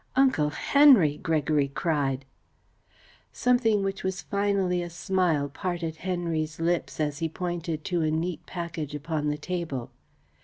"Uncle Henry!" Gregory cried. Something which was finally a smile parted Henry's lips, as he pointed to a neat package upon the table.